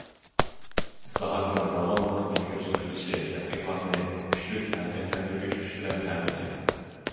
ئىسلاھاتنىڭ داۋاملىق ئىلگىرى سۈرۈلۈشى تەرەققىياتنى كۈچلۈك ھەرىكەتلەندۈرگۈچ كۈچ بىلەن تەمىنلەيدۇ.